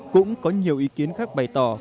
cũng có nhiều ý kiến khác bày tỏ